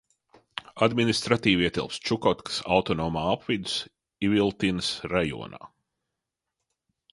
Administratīvi ietilpst Čukotkas autonomā apvidus Iviltinas rajonā.